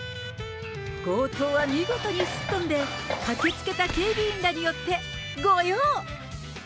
強盗は見事にすっ飛んで、駆けつけた警備員らによって御用。